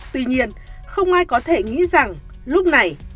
tuy nhiên không ai có thể nghĩ rằng lúc này